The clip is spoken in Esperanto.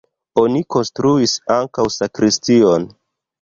Oni konstruis ankaŭ sakristion.